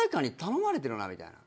みたいな。